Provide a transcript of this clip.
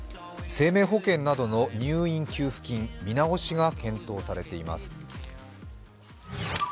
生命保険などの入院給付金、見直しが検討されています。